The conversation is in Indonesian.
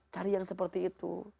cari yang seperti itu